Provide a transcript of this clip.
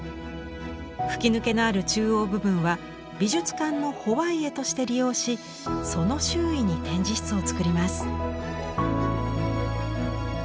吹き抜けのある中央部分は美術館のホワイエとして利用しその周囲に展示室を造ります。